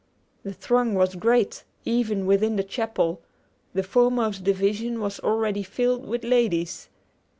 The throng was great, even within the chapel the foremost division was already filled with ladies.